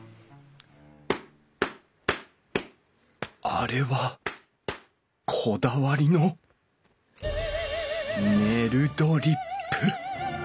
あれはこだわりのネルドリップ！